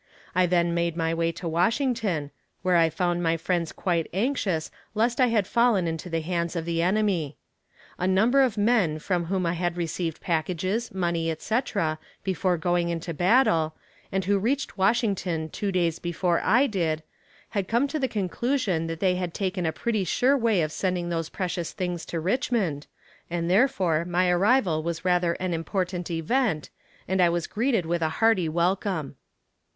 I then made my way to Washington, where I found my friends quite anxious lest I had fallen into the hands of the enemy. A number of men from whom I had received packages, money, etc., before going into battle, and who reached Washington two days before I did, had come to the conclusion that they had taken a pretty sure way of sending those precious things to Richmond, and therefore my arrival was rather an important event, and I was greeted with a hearty welcome.